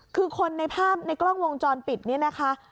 คือคนในภาพในกล้องวงจรปิดนี่นะคะ